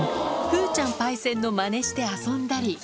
風ちゃんパイセンのまねして遊んだり。